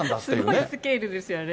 すごいスケールですよね。